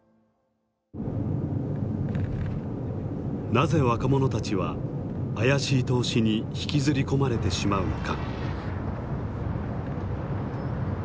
なぜ若者たちは怪しい投資に引きずり込まれてしまうのか。